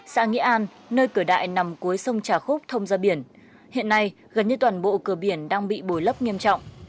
xã nghĩa an nơi cửa đại nằm cuối sông trà khúc thông ra biển hiện nay gần như toàn bộ cửa biển đang bị bồi lấp nghiêm trọng